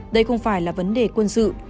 đây không phải là vấn đề quân sự